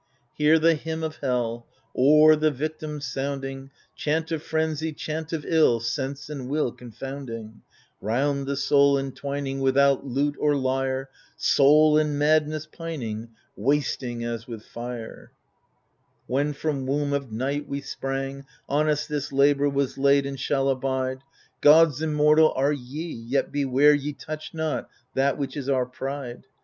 Hear the hynm of hell, O'er the victim sounding, — Chant of frenzy, chant of ill, Sense and will confounding 1 Round the soul entwining Without lute or lyre — Soul in madness pining, Wasting as with fire I When from womb of Night we sprang, on us this labour Was laid and shall abide. Gods inunortal are ye, yet beware ye touch not That which is our pride